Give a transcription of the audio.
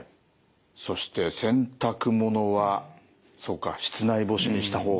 そして洗濯物はそうか室内干しにした方がいいと。